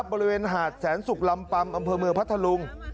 บริเวณหาดแสนสุกลำปัมอำเภอเมืองพัทธลุง